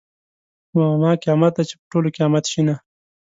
په ما قیامت ده چې په ټولو قیامت شینه .